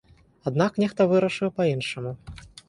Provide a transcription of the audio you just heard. Аднак нехта вырашыў па-іншаму.